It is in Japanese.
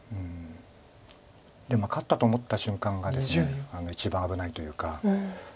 勝ったと思った瞬間がですね一番危ないというか。